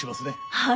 はい。